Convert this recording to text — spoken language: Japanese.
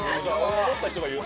◆思った人が言う？